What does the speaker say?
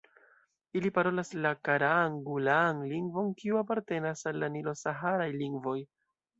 Ili parolas la karaan-gulaan lingvon kiu apartenas al la nilo-saharaj lingvoj.